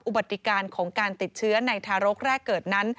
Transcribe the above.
บัติการของการติดเชื้อในทารกแรกเกิดนั้น